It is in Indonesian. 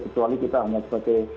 kecuali kita hanya sebagai